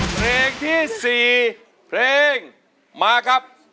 เพลงที่๔เพลงมาครับ